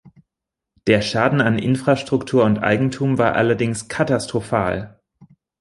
Der Schaden an Infrastruktur und Eigentum war allerdings katastrophal.